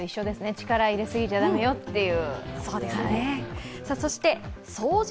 力を入れすぎちゃ駄目よという。